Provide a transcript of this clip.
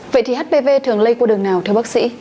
vậy thì hpv thường lây quốc